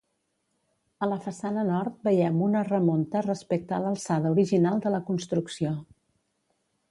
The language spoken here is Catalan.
A la façana nord veiem una remunta respecte a l'alçada original de la construcció.